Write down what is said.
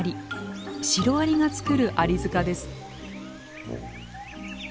シロアリが作るアリ塚です。